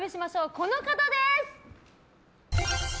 この方です！